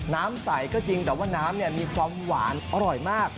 น้ำใสก็จริงแต่ว่าน้ำมีความหวานอร่อยมาก